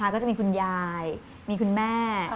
ก็จะมีคุณยายมีคุณแม่